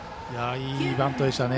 いいバントでしたね。